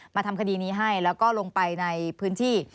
ทำคดีนี้ให้แล้วก็ลงไปในพื้นที่